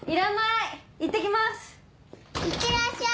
いってきます。